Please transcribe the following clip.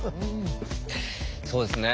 そうですね。